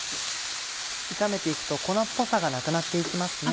炒めて行くと粉っぽさがなくなって行きますね。